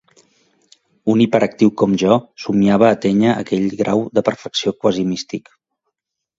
Un hiperactiu com jo somiava atènyer aquell grau de perfecció quasi místic.